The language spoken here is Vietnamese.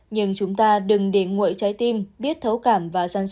nhưng chúng ta đừng để nguội trái tim biết thấu cảm